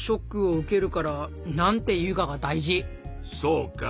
そうか。